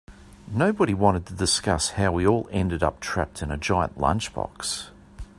Nobody wanted to discuss how we all ended up trapped in a giant lunchbox.